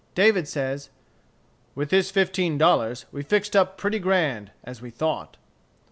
David says, "With this fifteen dollars we fixed up pretty grand, as we thought."